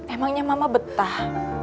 emangnya mama betah